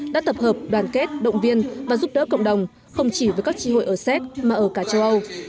đã tập hợp đoàn kết động viên và giúp đỡ cộng đồng không chỉ với các tri hội ở séc mà ở cả châu âu